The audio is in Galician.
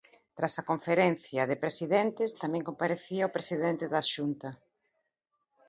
Tras a conferencia de presidentes tamén comparecía o presidente da Xunta.